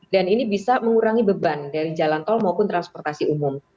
dan ini bisa mengurangi beban dari jalan tol maupun transportasi umum